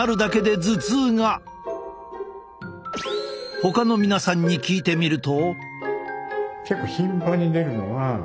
ほかの皆さんに聞いてみると。